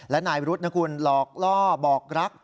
และนายรุทธ์หลอกล่อบอกรัก